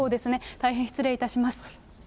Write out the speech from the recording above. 大変失礼いたします。